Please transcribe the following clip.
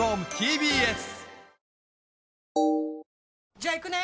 じゃあ行くね！